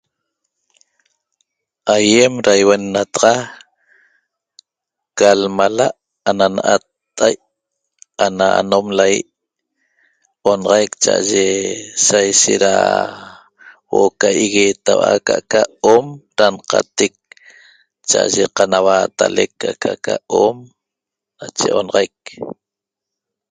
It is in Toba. Ayem da ihuennataxa ca lmalaa Ana Natai Ana anom layei onaxaic chaye saishet da huoo qa yeguetahua acá om da nqatec chaye qanahuatalec acá hom ñachec onaxaic